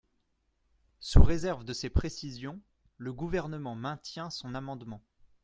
Sous réserve de ces précisions, le Gouvernement maintient son amendement.